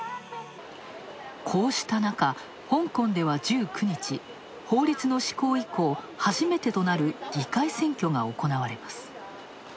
こうした中、香港では１９日、法律の施行以降初めてとなる議会選挙が行われます。